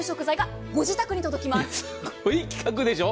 すごい企画でしょう。